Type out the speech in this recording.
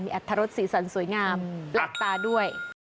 อัตรรสสีสันสวยงามแปลกตาด้วย